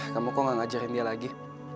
kamu kok gak ngajarin dia lagi